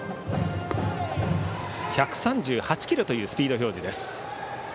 １３８キロというスピード表示です。